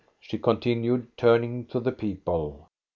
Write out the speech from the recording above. " she continued, turning to the people.